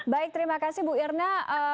baik terima kasih bu irna